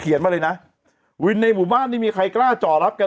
มาเลยนะวินในหมู่บ้านนี่มีใครกล้าจ่อรับกัน